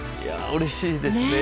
うれしいですね。